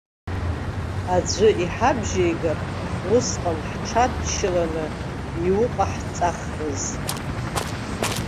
Аӡәы иҳабжьеигар, усҟан ҳҽадшьыланы иауҟаҳҵахрыз.